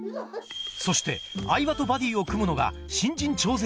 そして饗庭とバディを組むのが新人徴税